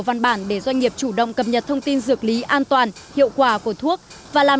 văn bản để doanh nghiệp chủ động cập nhật thông tin dược lý an toàn hiệu quả của thuốc và làm